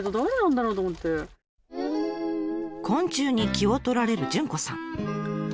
昆虫に気を取られる潤子さん。